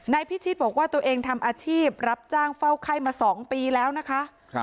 พิชิตบอกว่าตัวเองทำอาชีพรับจ้างเฝ้าไข้มา๒ปีแล้วนะคะ